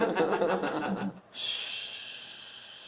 「よし！」